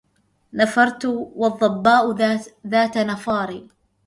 نفرت والظباء ذات نفار